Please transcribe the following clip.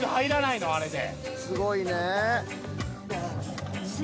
すごいねぇ。